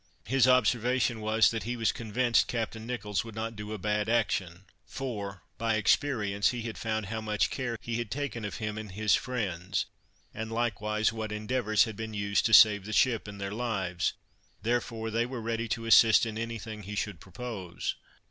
His observation was, that he was convinced Captain Nicholls would not do a bad action, for, by experience, he had found how much care he had taken of him and his friends, and likewise what endeavors had been used to save the ship and their lives; therefore they were ready to assist in any thing he should propose.